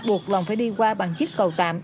buộc lòng phải đi qua bằng chiếc cầu tạm